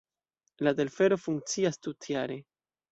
La telfero funkcias tutjare.